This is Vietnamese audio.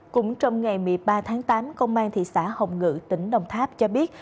cũng trong ngày một mươi ba tháng tám công an thị xã hồng ngự tỉnh đồng tháp cho biết